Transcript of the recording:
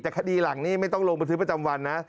แต่คดีหลังนี้ไม่ต้องลงบันทึกประจำวันนะ